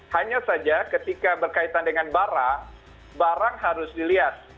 hanya saja ketika berkaitan dengan barang barang harus dilihat